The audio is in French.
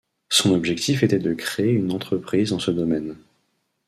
Son objectif était de créer une entreprise dans ce domaine.